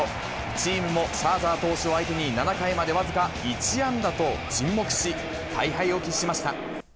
チームもシャーザー投手を相手に７回までわずか１安打と沈黙し、大敗を喫しました。